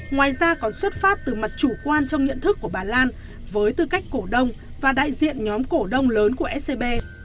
ngoài ra còn xuất phát từ mặt chủ quan trong nhận thức của bà lan với tư cách cổ đông và đại diện nhóm cổ đông lớn của scb